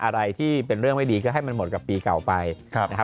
อะไรที่เป็นเรื่องไม่ดีก็ให้มันหมดกับปีเก่าไปนะครับ